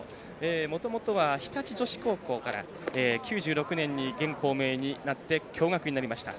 もともとは日立女子高校から９６年に現校名になって共学になりました。